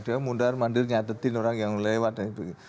dia mundar mandir nyatetin orang yang lewat dan sebagainya